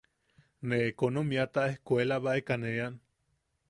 Ne ekonomiata ejkuelabaeka ne ean.